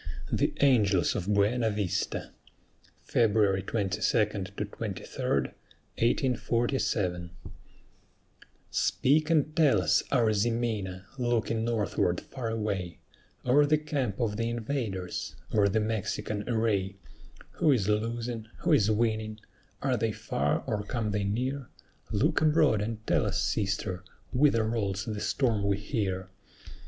THE ANGELS OF BUENA VISTA [February 22 23, 1847] Speak and tell us, our Ximena, looking northward far away, O'er the camp of the invaders, o'er the Mexican array, Who is losing? who is winning? are they far or come they near? Look abroad, and tell us, sister, whither rolls the storm we hear.